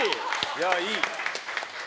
いやいい！